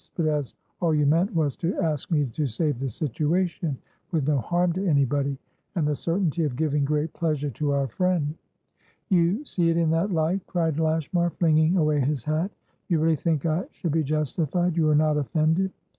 But as all you meant was to ask me to save the situation, with no harm to anybody, and the certainty of giving great pleasure to our friend" "You see it in that light?" cried Lashmar, flinging away his hat. "You really think I should be justified? You are not offended?"